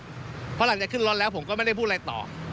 เพราะหลังจากขึ้นรถแล้วผมก็ไม่ได้พูดอะไรต่อ